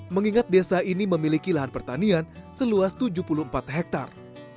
mengingat desa ini memiliki lahan pertanian seluas tujuh puluh empat hektare